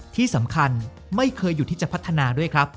ที่สำคัญไม่เคยหยุดที่จะพัฒนาด้วยครับ